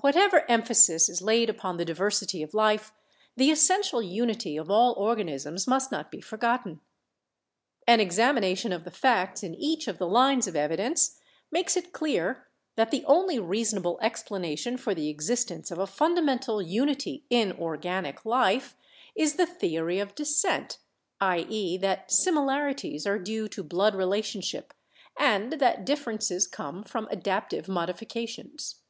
Whatever emphasis is laid upon the diversity of life, the essential unity of all organisms must not be forgotten. An examination of the facts in each of the lines of evidence makes it clear that the only reasonable explana tion for the existence of a fundamental unity in organic life is the theory of descent — i.e., that similarities are due to blood relationship and that differences come from adapt ive modifications.